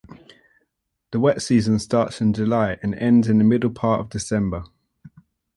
The wet season starts in July and ends in the middle part of December.